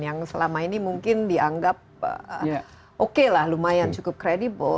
yang selama ini mungkin dianggap oke lah lumayan cukup kredibel